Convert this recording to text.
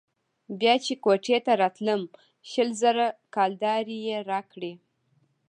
بيا چې كوټې ته راتلم شل زره كلدارې يې راکړې.